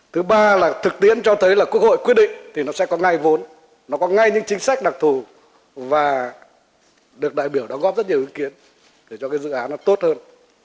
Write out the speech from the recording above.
thứ ba là thực tiễn cho thấy là quốc hội quyết định thì nó sẽ có ngay vốn nó có ngay những chính sách đặc thù và được đại biểu đóng góp rất nhiều ý kiến để cho cái dự án nó tốt hơn